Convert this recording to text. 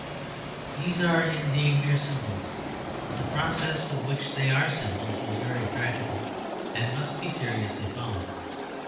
These are indeed mere symbols; but the process of which they are symbols was very practical and must be seriously followed.